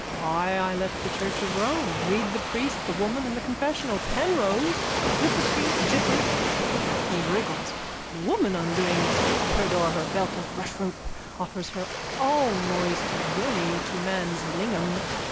Why I left the church of Rome. Read the Priest, the Woman and the Confessional. Penrose. Flipperty Jippert. (He wriggles.) Woman, undoing with sweet pudor her belt of rushrope, offers her allmoist yoni to man's lingam.